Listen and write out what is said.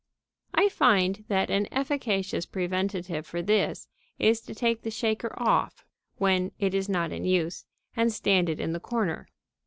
I find that an efficacious preventive for this is to take the shaker off when it is not in use and stand it in the corner.